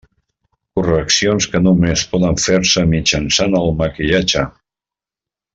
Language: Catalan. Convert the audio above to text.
Correccions que només poden fer-se mitjançant el maquillatge.